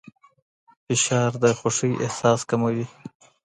فشار د خوښۍ احساس کموي.